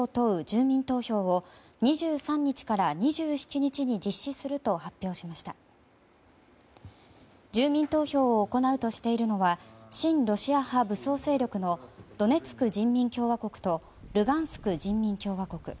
住民投票を行うとしているのは親ロシア派武装勢力のドネツク人民共和国とルガンスク人民共和国。